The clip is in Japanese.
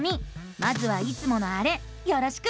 まずはいつものあれよろしく！